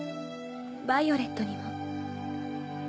ヴァイオレットにも。